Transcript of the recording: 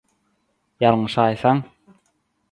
Ýalňyşaýsaň…